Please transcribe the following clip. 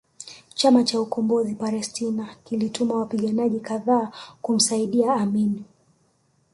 Chama cha Ukombozi Palestina kilituma wapiganaji kadhaa kumsaidia Amin